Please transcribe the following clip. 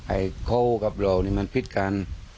ไอ้เขากับเรานี่มันพิษกัน